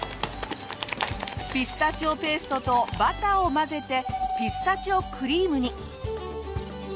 ピスタチオペーストとバターを混ぜてピスタチオクリームに！